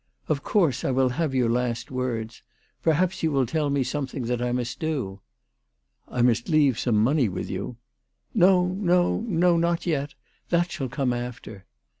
" Of course I will have your last words. Perhaps you will tell me something that I must do." " I must leave some money with you." " No ; no ; no ; not yet. That shall come after."